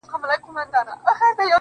هينداره وي چي هغه راسي خو بارانه نه يې.